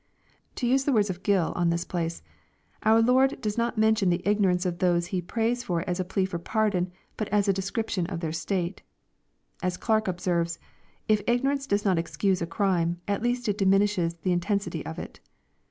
To use the words of Gill on this place, our Lord " does not mention the ignorance of those He prays for as a plea for pardon, but as a description of their state." As Clarke observes, " If ignorance does not excuse a crime, at least it diminishes the intensity of it."